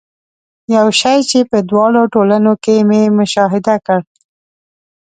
یو شی چې په دواړو ټولنو کې مې مشاهده کړ.